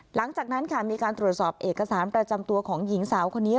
หลังจากนั้นค่ะมีการตรวจสอบเอกสารประจำตัวของหญิงสาวคนนี้